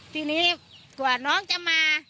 ทีนี้กว่าน้องจะมา